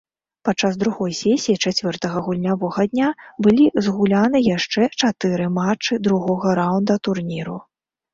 Падчас другой сесіі чацвёртага гульнявога дня былі згуляны яшчэ чатыры матчы другога раўнда турніру.